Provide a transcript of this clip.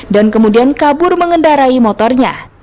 dan kemudian kabur mengendarai motornya